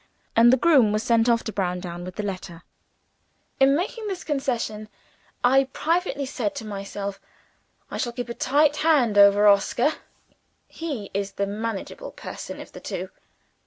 and the groom was sent off to Browndown with the letter. In making this concession, I privately said to myself, "I shall keep a tight hand over Oscar; he is the manageable person of the two!"